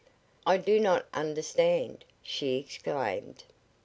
"I do not understand," she exclaimed.